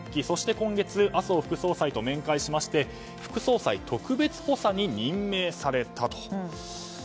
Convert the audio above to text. そして今月麻生副総裁と面会しまして副総裁特別補佐に任命されたと。